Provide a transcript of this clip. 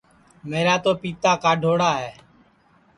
میرا تو پِتا کاڈؔوڑا ہے